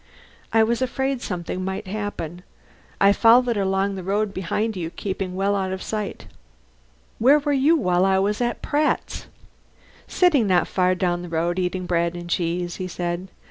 I was afraid something might happen. I followed along the road behind you, keeping well out of sight." "Where were you while I was at Pratt's?" "Sitting not far down the road eating bread and cheese," he said.